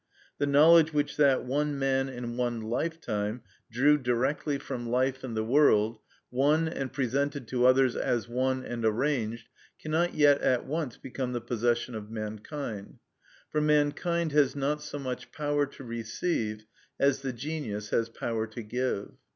The knowledge which that one man in one lifetime drew directly from life and the world, won and presented to others as won and arranged, cannot yet at once become the possession of mankind; for mankind has not so much power to receive as the genius has power to give.